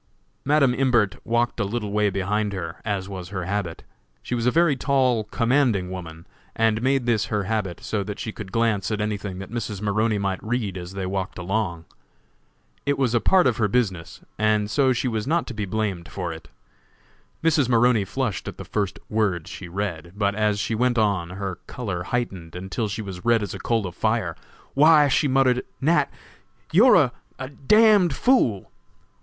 Madam Imbert walked a little way behind her, as was her habit. She was a very tall, commanding woman, and made this her habit so that she could glance at anything that Mrs. Maroney might read as they walked along. It was a part of her business, and so she was not to be blamed for it. Mrs. Maroney flushed at the first word she read, but as she went on her color heightened, until she was red as a coal of fire. "Why," she muttered, "Nat., you're a d d fool!"